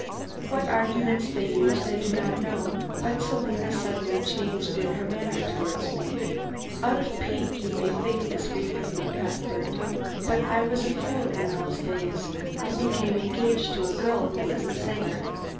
What arguments they used I do not know, but Selina suddenly changed in her manner towards me. Out of pique you may think this weak of me, Cuthbert, but I was a fool in those days I became engaged to a girl who was a singer.